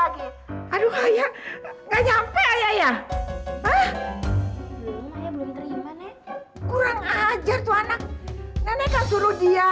jangan coba coba mendekat